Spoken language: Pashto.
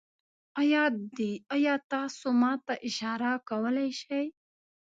ایا تاسو ما ته اشاره کولی شئ؟